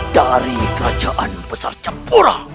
dari kerajaan besar jepura